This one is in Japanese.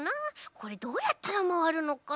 これどうやったらまわるのかな？